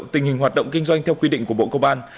theo quy định của bộ công an